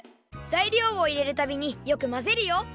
ざいりょうをいれるたびによくまぜるよ。